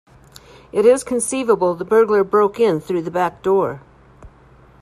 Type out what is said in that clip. It is conceivable the burglar broke in through the back door.